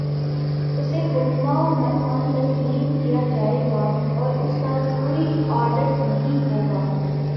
اسے حکما من و عن تسلیم کیا جائے گا اور اس کا کوئی آڈٹ نہیں ہو گا۔